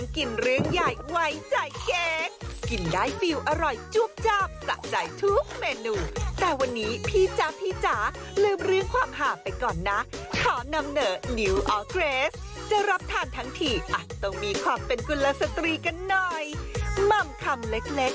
กินได้ฟิวอร่อยจวบจ้อมสะใจทุกเมนูแต่วันนี้พี่จ๊ะพี่จ๊ะลืมเรียงความห่าไปก่อนน่ะขอนำเนอร์นิวออร์เกรสจะรับทานทั้งที่อ่ะต้องมีความเป็นกุลเศรษฐรีกันหน่อยม่ำขาดม่ำขาดม่ำขาดม่ำขาดม่ำขาด